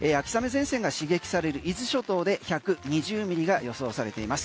前線が刺激される伊豆諸島で１２０ミリが予想されています。